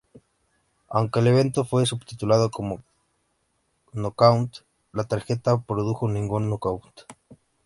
Aunque el evento fue subtitulado como "Knockout", la tarjeta no produjo ningún nocaut.